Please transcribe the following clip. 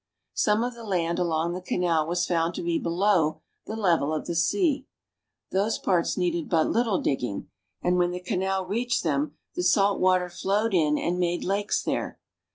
Some of the land along the canal was found to be below the level of the sea. Those parts needed but little digging, and when the canal reached them the salt water flowed in and made lakes there.